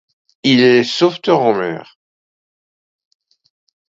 Il est sauveteur en mer.